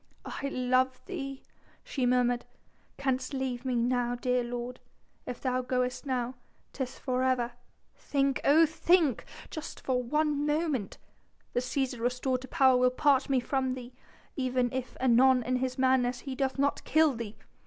"I love thee," she murmured, "canst leave me now, dear lord.... If thou goest now 'tis for ever ... think, oh think! just for one moment ... the Cæsar restored to power will part me from thee ... even if anon in his madness he doth not kill thee.